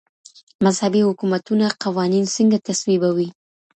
مذهبي حکومتونه قوانين څنګه تصويبوي؟